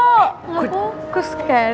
enggak fokus kan